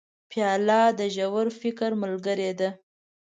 پیاله د ژور فکر ملګرې ده.